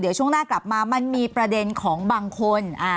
เดี๋ยวช่วงหน้ากลับมามันมีประเด็นของบางคน